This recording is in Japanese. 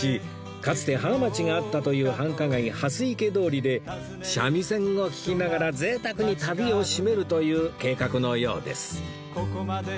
かつて花街があったという繁華街蓮池通りで三味線を聴きながら贅沢に旅を締めるという計画のようです